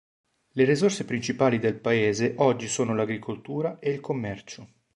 Le risorse principali del paese oggi sono l'agricoltura ed il commercio.